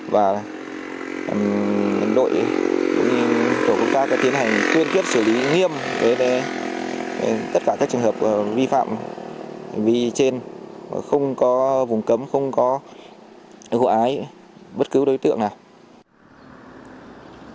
và đội tổ quốc gia tiến hành tuyên kiếp xử lý nghiêm về tất cả các trường hợp vi phạm hành vi trên không có vùng cấm không có hội ái bất cứ đối tượng nào